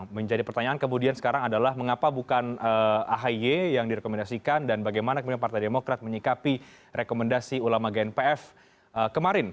menjadi pertanyaan kemudian sekarang adalah mengapa bukan ahy yang direkomendasikan dan bagaimana kemudian partai demokrat menyikapi rekomendasi ulama gnpf kemarin